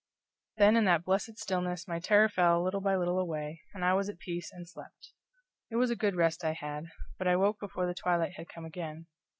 Then in that blessed stillness my terrors fell little by little away, and I was at peace and slept. It was a good rest I had, but I woke before the twilight had come again.